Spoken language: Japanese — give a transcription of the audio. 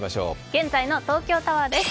現在の東京タワーです。